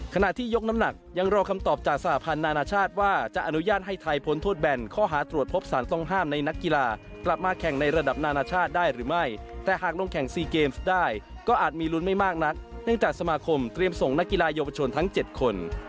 ขณะที่ยกน้ำหนักยังรอคำตอบจากสหพันธ์นานาชาติว่าจะอนุญาตให้ไทยพ้นโทษแบนข้อหาตรวจพบสารต้องห้ามในนักกีฬากลับมาแข่งในระดับนานาชาติได้หรือไม่แต่หากลงแข่งซีเกมส์ได้ก็อาจมีลุ้นไม่มากนักเนื่องจากสมาคมเตรียมส่งนักกีฬาเยาวชนทั้ง๗คน